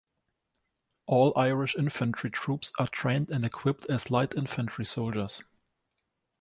All Irish infantry troops are trained and equipped as light infantry soldiers.